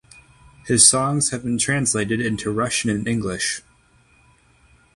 His songs have been translated into Russian and English.